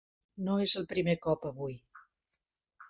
No és el primer cop avui.